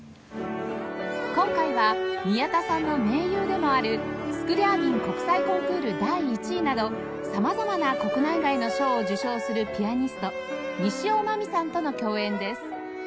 今回は宮田さんの盟友でもあるスクリャービン国際コンクール第１位など様々な国内外の賞を受賞するピアニスト西尾真実さんとの共演です